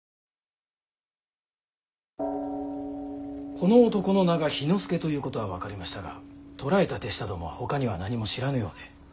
この男の名が「氷ノ介」ということは分かりましたが捕らえた手下どもはほかには何も知らぬようで。